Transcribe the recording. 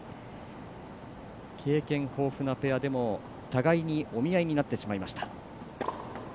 経験豊富なペアでも互いにお見合いになってしまいました。